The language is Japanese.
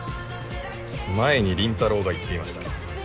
前に倫太郎が言っていました。